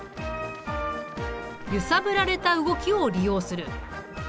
「ゆさぶられた動き」を利用する。